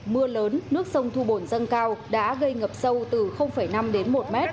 mưa lớn nước sông thu bổn dâng cao đã gây ngập sâu từ năm đến một m